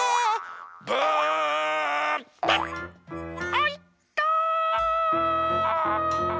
あいった。